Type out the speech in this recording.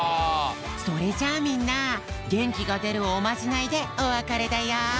それじゃあみんなげんきがでるおまじないでおわかれだよ。